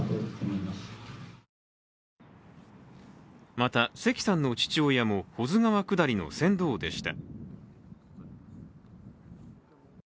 また、関さんの父親も保津川下りの船頭でした。